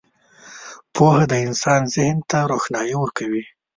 • پوهه د انسان ذهن ته روښنايي ورکوي.